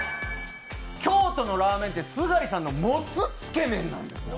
京都のラーメン店、すがりさんのもつつけ麺です。